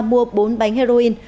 mua bốn bánh heroin